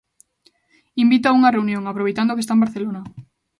Invítao a unha reunión, aproveitando que está en Barcelona.